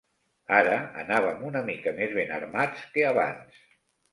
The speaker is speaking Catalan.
Ara anàvem una mica més ben armats que abans